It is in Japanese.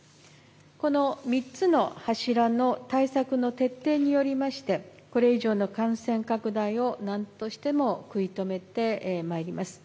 この３つの柱の対策の徹底によりまして、これ以上の感染拡大をなんとしても食い止めてまいります。